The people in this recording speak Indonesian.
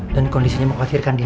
dan kondisinya memkhawatirkan din